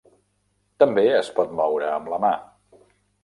També es pot moure amb la mà.